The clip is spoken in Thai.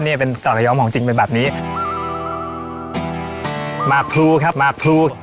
เนี่ยเป็นต่อระยองของจริงเป็นแบบนี้หมากพลูครับหมากพลู